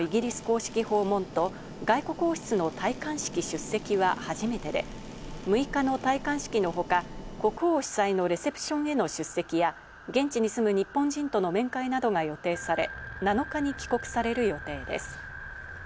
秋篠宮ご夫妻のイギリス公式訪問と外国王室の戴冠式出席は初めてで、６日の戴冠式のほか、国王主催のレセプションへの出席や現地に住む日本人との面会などが予定され、７日に帰国される予定です。